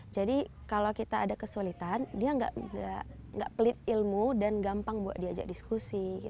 jadi kalau kita ada kesulitan dia nggak pelit ilmu dan gampang buat diajak di sini